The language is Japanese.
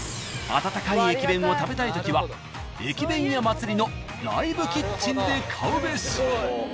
［温かい駅弁を食べたいときは駅弁屋祭のライブキッチンで買うべし］